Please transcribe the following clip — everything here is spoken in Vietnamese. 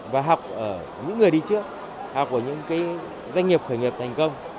và học ở những người đi trước học của những doanh nghiệp khởi nghiệp thành công